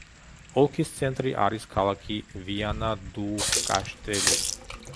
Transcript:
ოლქის ცენტრი არის ქალაქი ვიანა-დუ-კაშტელუ.